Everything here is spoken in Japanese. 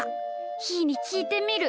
ひーにきいてみる。